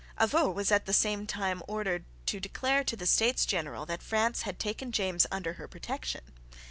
Avaux was at the same time ordered to declare to the States General that France had taken James under her protection.